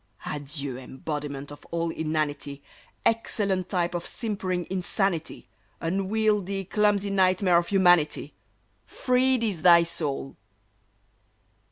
Adieu, embodiment of all inanity! Excellent type of simpering insanity! Unwieldy, clumsy nightmare of humanity! Freed is thy soul!